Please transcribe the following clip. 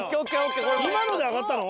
今ので上がったの？